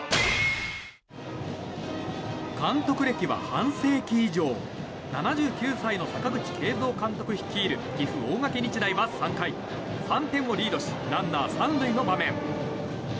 監督歴は半世紀以上７９歳の阪口慶三監督率いる岐阜・大垣日大は３回３点をリードしランナー３塁の場面。